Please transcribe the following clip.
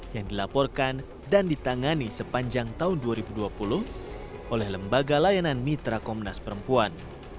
yang dilaporkan dan ditangani sepanjang tahun dua ribu dua puluh oleh lembaga layanan mitra komnas perempuan